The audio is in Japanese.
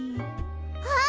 あっ！